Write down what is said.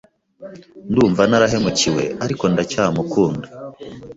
Ndumva narahemukiwe, ariko ndacyamukunda.